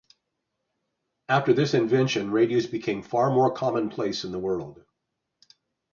After this invention radios became far more commonplace in the world.